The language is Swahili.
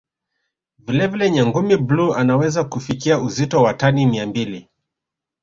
Vile vile Nyangumi bluu anaweza kufikia uzito wa tani mia mbili